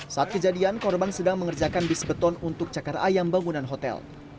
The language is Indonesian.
saat kejadian korban sedang mengerjakan bis beton untuk cakar ayam bangunan hotel